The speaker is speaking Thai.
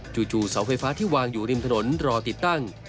จู่เสาไฟฟ้าที่วางอยู่ริมถนนรอติดตั้ง